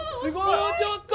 もうちょっと！